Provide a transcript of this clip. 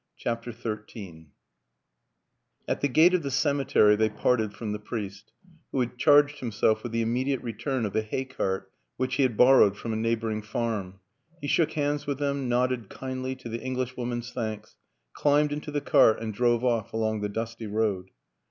CHAPTER XIII AT the gate of the cemetery they parted from the priest, who had charged him self with the immediate return of the hay cart which he had borrowed from a neighboring farm; he shook hands with them, nodded kindly to the Englishwoman's thanks, climbed into the cart and drove off along the dusty road.